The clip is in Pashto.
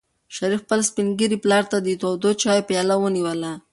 شریف خپل سپین ږیري پلار ته د تودو چایو پیاله ونیوله.